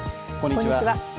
こんにちは。